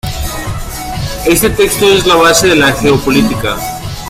Este texto es la base de la Geopolítica.